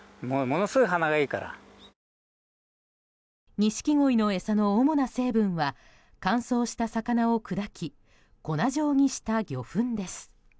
ニシキゴイの餌の主な成分は乾燥した魚を砕き粉状にした魚粉です。